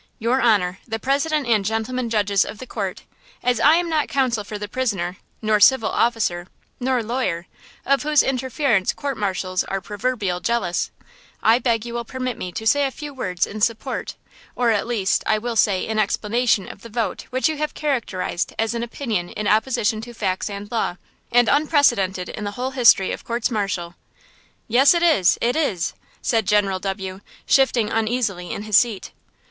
Your honor, the President and gentlemen judges of the court, as I am not counsel for the prisoner, nor civil officer, nor lawyer, of whose interference courts martial are proverbially jealous, I beg you will permit me to say a few words in support, or at least, I will say, in explanation of the vote which you have characterized as an opinion in opposition to facts and law, and unprecedented in the whole history of courts martial." "Yes, it is! it is!" said General W., shifting uneasily in his seat.